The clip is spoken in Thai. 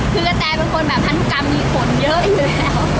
คือกระแตเป็นคนแบบพันธุกรรมมีฝนเยอะอยู่แล้ว